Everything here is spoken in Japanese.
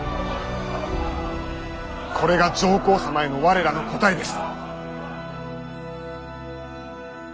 これが上皇様への我らの答えです。